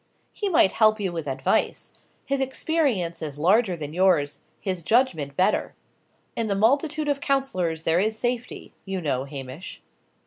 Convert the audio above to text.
"He might help you with advice. His experience is larger than yours, his judgment better. 'In the multitude of counsellors there is safety,' you know, Hamish."